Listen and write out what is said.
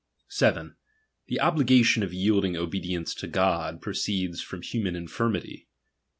7. The obligation of yielding obedience to God, proceeds from human infirmity.